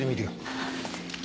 はい。